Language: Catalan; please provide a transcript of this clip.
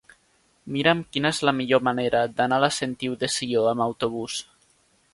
Mira'm quina és la millor manera d'anar a la Sentiu de Sió amb autobús.